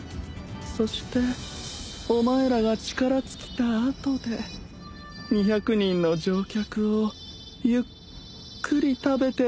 そしてお前らが力尽きた後で２００人の乗客をゆっくり食べてあげるからね